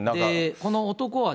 この男は。